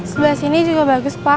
sebelah sini juga bagus pak